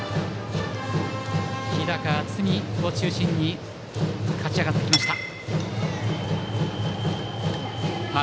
日高暖己を中心に勝ち上がってきました。